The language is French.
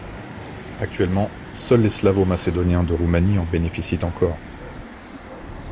Actuellement, seuls les Slavo-Macédoniens de Roumanie en bénéficient encore.